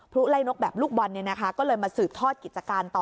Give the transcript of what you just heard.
พลุไล่นกแบบลูกบอลนี่นะคะก็เลยมาสืบทอดกิจการต่อ